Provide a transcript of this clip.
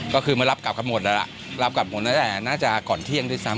ก็คือมารับกลับกันหมดแล้วล่ะรับกลับหมดตั้งแต่น่าจะก่อนเที่ยงด้วยซ้ำ